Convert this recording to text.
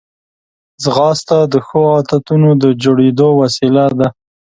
ځغاسته د ښو عادتونو د جوړېدو وسیله ده